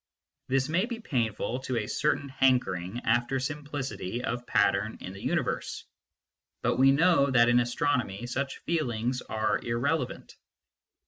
This may be painful to a certain hankering after simplicity of pattern in the universe, but we know that in astronomy such feelings are irre levant.